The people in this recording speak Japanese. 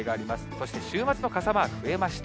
そして、週末の傘マーク、増えました。